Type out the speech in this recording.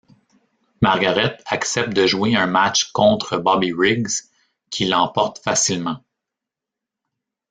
Margaret accepte de jouer un match contre Bobby Riggs, qui l'emporte facilement.